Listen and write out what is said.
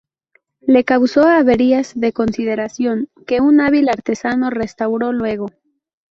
Le causó averías de consideración, que un hábil artesano restauró luego.